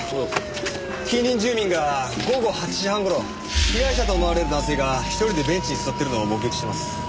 近隣住民が午後８時半頃被害者と思われる男性が１人でベンチに座っているのを目撃してます。